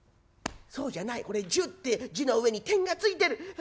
そうじゃないこれ十って字の上に点が付いてる。